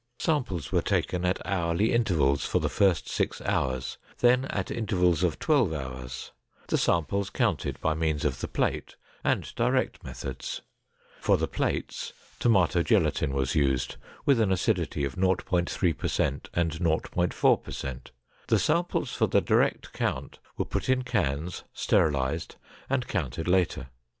Samples were taken at hourly intervals for the first six hours, then at intervals of twelve hours, the samples counted by means of the plate and direct methods. For the plates tomato gelatin was used with an acidity of 0.3% and 0.4%, the samples for the direct count were put in cans, sterilized, and counted later.